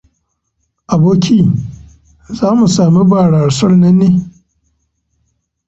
Aboki, za mu sami barasar ne?